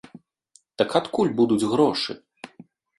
Так адкуль будуць грошы?